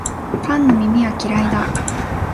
パンの耳は嫌いだ